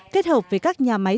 kết hợp với các nhà máy